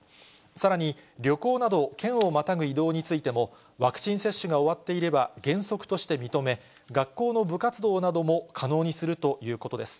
さらに、旅行など県をまたぐ移動についても、ワクチン接種が終わっていれば、原則として認め、学校の部活動なども可能にするということです。